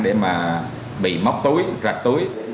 để mà bị móc túi rạch túi